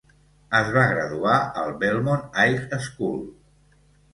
Es va graduar al Belmont High School.